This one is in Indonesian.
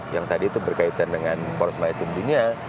yang tadi itu berkaitan dengan proses melayu tim dunia